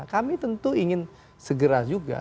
kami tentu ingin segera juga